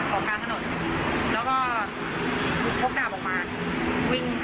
ก็คือทั้งหมด๓รอบ